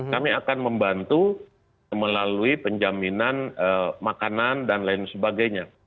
kami akan membantu melalui penjaminan makanan dan lain sebagainya